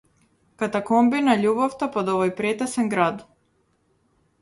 Катакомби на љубовта под овој претесен град.